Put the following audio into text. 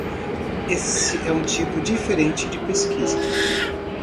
Este é um tipo diferente de pesquisa.